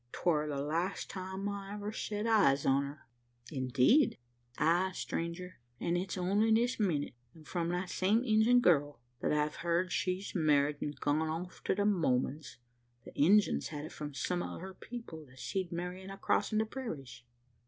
'Twar the last time I ever set eyes on her." "Indeed." "Ay, stranger, an' it's only this minnit, an' from that same Injun girl, that I've heard she's married, an' gone off to the Mormons. The Injuns had it from some o' her people, that seed Marian a crossin' the parairies."